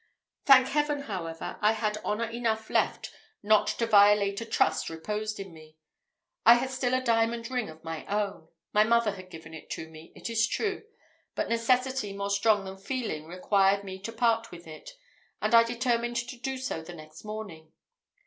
Thank Heaven, however, I had honour enough left not to violate a trust reposed in me. I had still a diamond ring of my own. My mother had given it to me, it is true; but necessity more strong than feeling required me to part with it, and I determined to do so the next morning.